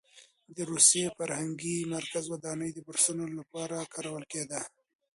د روسي فرهنګي مرکز ودانۍ د بورسونو لپاره کارول کېده.